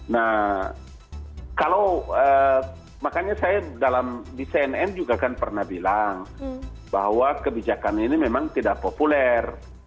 nah kalau makanya saya dalam di cnn juga kan pernah bilang bahwa kebijakan ini memang tidak populer